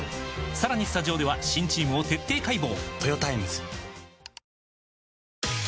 さらにスタジオでは新チームを徹底解剖！